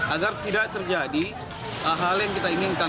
agar tidak terjadi hal yang kita inginkan